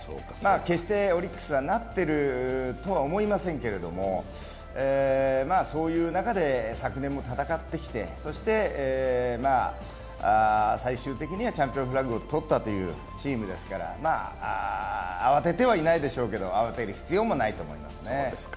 決してオリックスがなっているとは思いませんけれどもそういう中で昨年も戦ってきて、そして最終的にはチャンピオンフラッグを取ったというチームですから慌ててはいないでしょうけど、慌てる必要もないと思いますね。